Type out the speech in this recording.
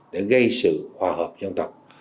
để gây sự hòa hợp dân tộc